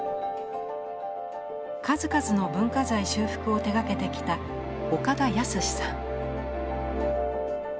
数々の文化財修復を手がけてきた岡田靖さん。